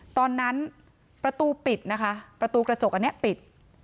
ตอนนั้นประตูปิดนะคะประตูกระจกอันนี้ปิด